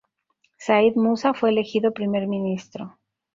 Said Musa fue elegido Primer ministro.